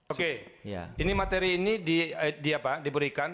oke ini materi ini diberikan